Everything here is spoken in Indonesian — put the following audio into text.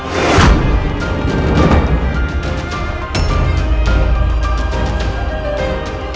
sampai saya telap kak pak